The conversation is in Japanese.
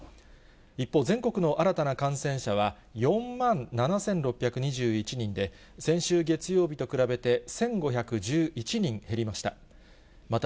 一方、全国の新たな感染者は４万７６２１人で、先週月曜日と比べて１５１１人減りました。